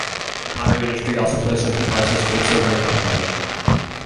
The pottery industry also employs some people as does gold, silver and copper mining.